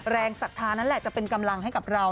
ศรัทธานั่นแหละจะเป็นกำลังให้กับเรา